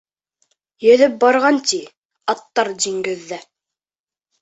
Йөҙөп барған, ти, аттар диңгеҙҙә.........................................